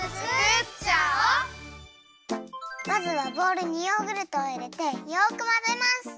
まずはボウルにヨーグルトをいれてよくまぜます。